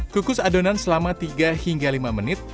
kukus adonan selama tiga hingga lima menit